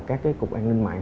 các cái cục an ninh mạng